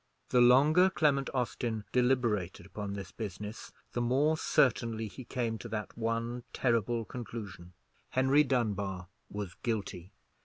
The longer Clement Austin deliberated upon this business the more certainly he came to that one terrible conclusion: Henry Dunbar was guilty.